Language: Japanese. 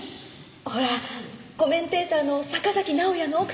ほらコメンテーターの坂崎直哉の奥さんの。